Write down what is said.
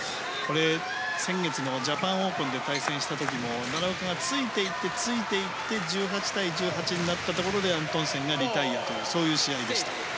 先月のジャパンオープンで対戦した時も奈良岡がついていってついていって１８対１８になったところでアントンセンがリタイアというそういう試合でした。